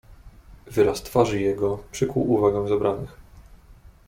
"Wyraz twarzy jego przykuł uwagę zebranych."